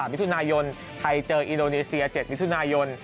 มิถุนายนไทยเจออินโดนีเซีย๗มิถุนายน